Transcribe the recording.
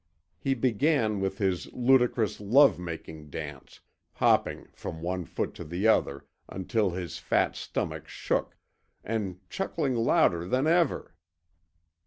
He began with his ludicrous love making dance, hopping from one foot to the other until his fat stomach shook, and chuckling louder than ever.